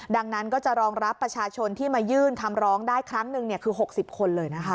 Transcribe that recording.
ดังนั้นก็จะรองรับประชาชนที่มายื่นคำร้องได้ครั้งหนึ่งคือ๖๐คนเลยนะคะ